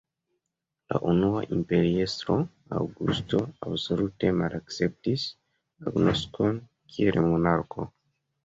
La unua imperiestro, Aŭgusto, absolute malakceptis agnoskon kiel monarko.